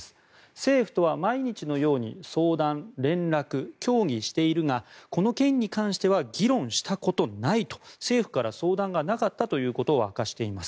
政府とは毎日のように相談・連絡・協議しているがこの件に関しては議論したことはないと政府から相談がなかったということを明かしています。